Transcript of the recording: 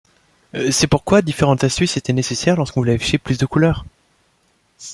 C'est pourquoi différentes astuces étaient nécessaires lorsqu'on voulait afficher plus de couleurs.